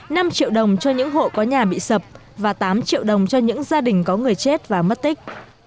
năm triệu đồng cho những hộ có nhà bị sập và tám triệu đồng cho những gia đình có người chết và mất tích